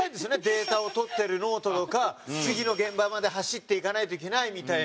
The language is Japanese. データを取ってるノートとか次の現場まで走っていかないといけないみたいな。